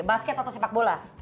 basket atau sepak bola